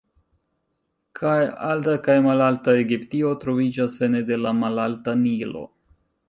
Kaj Alta kaj Malalta Egiptio troviĝas ene de la Malalta Nilo.